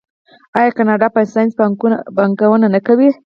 آیا کاناډا په ساینس پانګونه نه کوي؟